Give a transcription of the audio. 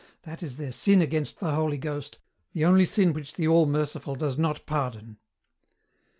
That is their sin against the Holy Ghost, the only sin which the All Merciful does not pardon."